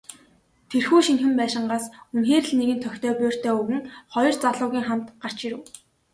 Тэрхүү шинэхэн байшингаас үнэхээр л нэгэн тохитой буурьтай өвгөн, хоёр залуугийн хамт гарч ирэв.